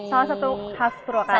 salah satu khas purwakarta